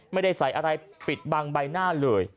ไม่ได้ใส่อะไรปิดบังใบหน้าเลย